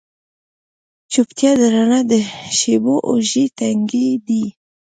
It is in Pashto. چوپتیا درنه ده د شېبو اوږې، تنکۍ دی